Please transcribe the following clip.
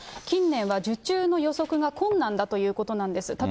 近年は受注の予測が困難だということなんです。